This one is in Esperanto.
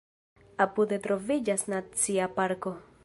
Apude troviĝas Nacia parko.